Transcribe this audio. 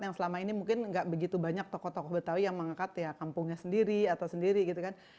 yang selama ini mungkin nggak begitu banyak tokoh tokoh betawi yang mengangkat ya kampungnya sendiri atau sendiri gitu kan